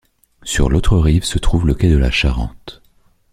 Sur l'autre rive se trouve le quai de la Charente.